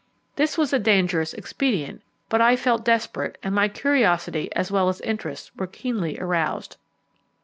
This was a dangerous expedient, but I felt desperate, and my curiosity as well as interest were keenly aroused.